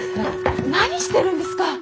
何してるんですか！